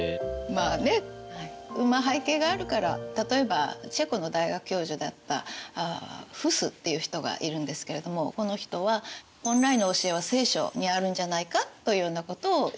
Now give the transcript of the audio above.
まあねまあ背景があるから例えばチェコの大学教授だったフスっていう人がいるんですけれどもこの人は本来の教えは「聖書」にあるんじゃないかというようなことを言ったりしました。